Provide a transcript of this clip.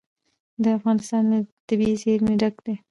افغانستان له طبیعي زیرمې ډک دی.